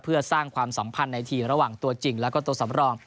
เพื่อสร้างความสัมพันธ์ในทีระหว่างตัวจริงแล้วก็ตัวสำรอง